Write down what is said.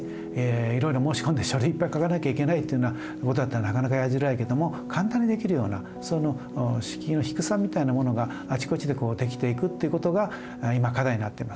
いろいろ申し込んで書類いっぱい書かなきゃいけないっていうようなことだったらなかなかやりづらいけども簡単にできるようなその敷居の低さみたいなものがあちこちでこう出来ていくっていうことが今課題になってます。